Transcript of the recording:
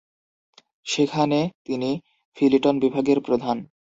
সেখানে তিনি ফিলিটন বিভাগের প্রধান।